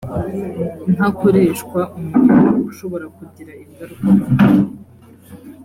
ntakoreshwa umurimo ushobora kugira ingaruka kumubiri